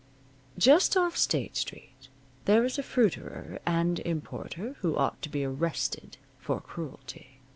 Just off State Street there is a fruiterer and importer who ought to be arrested for cruelty.